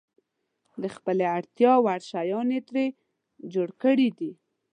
د خپلې اړتیا وړ شیان یې ترې جوړ کړي دي.